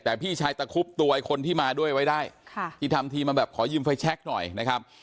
แต่พี่ชายตะคุบตัวไอ้คนที่มาด้วยไว้ได้ค่ะที่ทำทีมาแบบขอยืมไฟแช็คหน่อยนะครับ